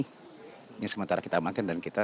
ini sementara kita amankan dan kita